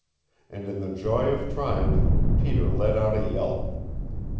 And in the joy of triumph Peter let out a yelp.